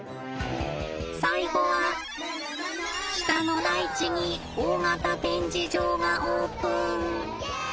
最後は北の大地に大型展示場がオープン。